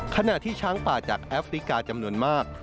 ขณะที่ช้างป่าจากแอฟริกาจำนวนมาก